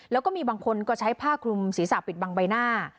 แล้วก็มีบางคนก็ใช้ผ้าคลุมศีรษะปิดบังใบหน้า